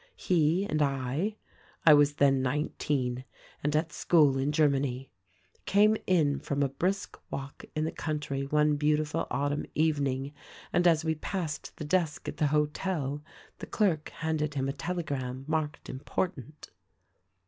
"He and I — I was then nineteen and at school in Ger many — came in from a brisk walk in the country one beau tiful autumn evening, and as we passed the desk at the hotel the clerk handed him a telegram marked important.